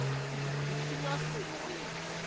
やるきがすごい。